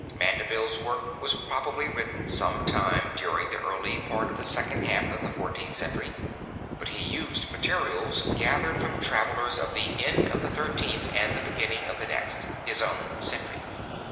Mandeville's work was probably written some time during the early part of the second half of the Fourteenth Century, but he used materials gathered from travelers of the end of the Thirteenth and the beginning of the next (his own) century.